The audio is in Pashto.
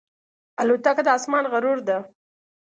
الوتکه د آسمان غرور ده.